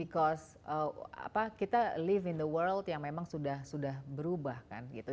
karena kita hidup di dunia yang memang sudah berubah kan gitu